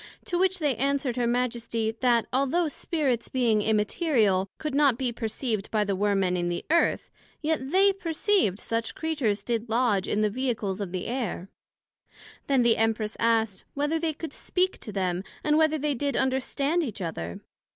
To which they answered her Majesty, That although Spirits, being immaterial, could not be perceived by the Worm men in the Earth, yet they perceived that such Creatures did lodg in the Vehicles of the Air. Then the Empress asked, Whether they could speak to them, and whether they did understand each other?